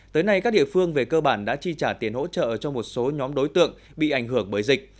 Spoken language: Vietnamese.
tới nay các địa phương về cơ bản đã chi trả tiền hỗ trợ cho một số nhóm đối tượng bị ảnh hưởng bởi dịch